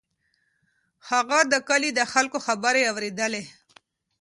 هغه د کلي د خلکو خبرې واورېدلې.